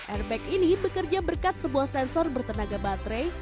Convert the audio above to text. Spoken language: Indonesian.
airbag ini bekerja berkat sebuah sensor bertenaga baterai